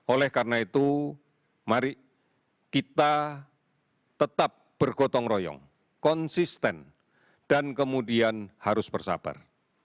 oleh karena itu mari kita tetap bergotong royong konsisten dan kemudian harus bersabar